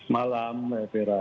malam mbak fira